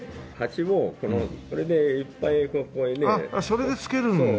それでつけるんだ。